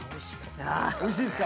おいしいですか？